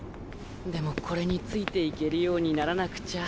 でもこれについていけるようにならなくちゃ。